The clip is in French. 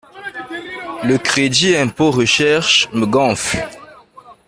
Le crédit impôt recherche me gonfle.